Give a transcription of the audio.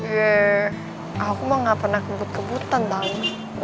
yee aku mah gak pernah kebut kebutan tahu